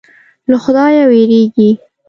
له خدایه وېرېږي.